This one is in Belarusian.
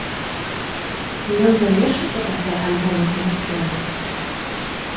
Ці ён завершыцца пасля альбома і гастроляў?